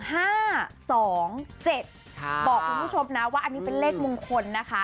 บอกคุณผู้ชมนะว่าอันนี้เป็นเลขมงคลนะคะ